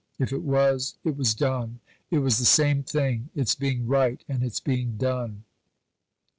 If it was, it was done. It was the same thing: its being right and its being done....